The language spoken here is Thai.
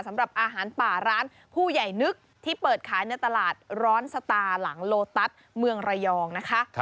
สำหรับอาหารป่าร้านผู้ใหญ่นึกที่เปิดขายในตลาดร้อนสตาร์หลังโลตัสเมืองระยองนะคะ